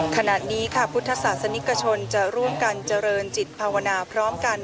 ขณะนี้ค่ะพุทธศาสนิกชนจะร่วมกันเจริญจิตภาวนาพร้อมกัน